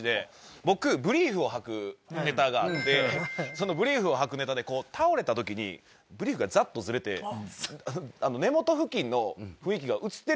僕ブリーフをはくネタがあってそのブリーフをはくネタで倒れた時にブリーフがザッとずれて根元付近の雰囲気が。